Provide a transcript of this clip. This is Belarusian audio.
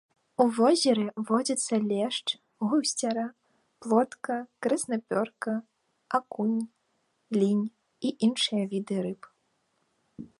У возеры водзяцца лешч, гусцяра, плотка, краснапёрка, акунь, лінь і іншыя віды рыб.